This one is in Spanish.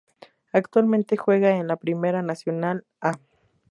Actualmente juega en la Primera Nacional "A".